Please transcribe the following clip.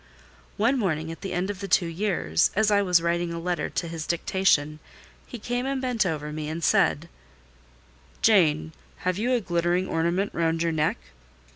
One morning at the end of the two years, as I was writing a letter to his dictation, he came and bent over me, and said—"Jane, have you a glittering ornament round your neck?"